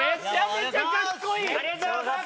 ありがとうございます！